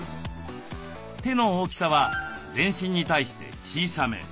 手の大きさは全身に対して小さめ。